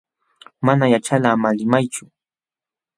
Mana yaćhalqa ama limaychu.